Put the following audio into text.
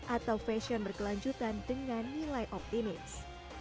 atau fashion berkelanjutan dengan nilai optimis